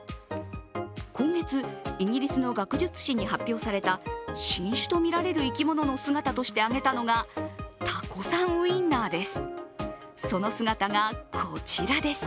今月、イギリスの学術誌に発表された新種とみられる生き物の姿として挙げたのがたこさんウインナーです。